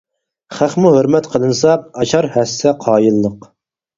خەقمۇ ھۆرمەت قىلىنسا، ئاشار ھەسسە قايىللىق.